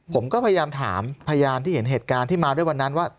ผมก็พยายามถามพยานที่เห็นเหตุการณ์ที่มาด้วยวันนั้นว่า